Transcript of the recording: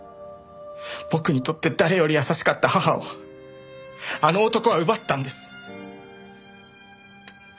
僕にとって誰より優しかった母をあの男は奪ったんです。